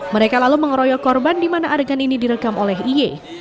mereka lalu mengeroyok korban di mana adegan ini direkam oleh iye